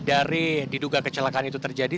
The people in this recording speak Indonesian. dari diduga kecelakaan itu terjadi